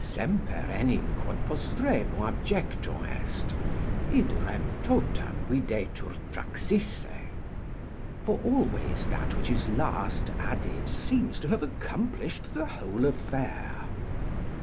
"Semper enim quod postremum adjectum est, id rem totam videtur traxisse." ["For always that which is last added, seems to have accomplished the whole affair."